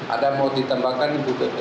ada mau ditambahkan ibu dede